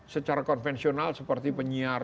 secara konvensional seperti penyiar